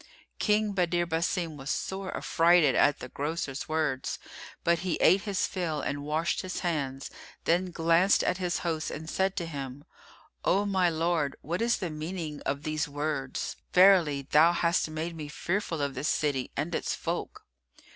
King Badr Basim was sore affrighted at the grocer's words; but he ate his fill and washed his hands; then glanced at his host and said to him, "O my lord, what is the meaning of these words? Verily thou hast made me fearful of this city and its folk."